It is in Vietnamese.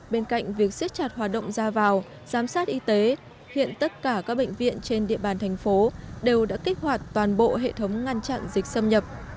bên cạnh việc siết chặt hoạt động ra vào giám sát y tế hiện tất cả các bệnh viện trên địa bàn thành phố đều đã kích hoạt toàn bộ hệ thống ngăn chặn dịch xâm nhập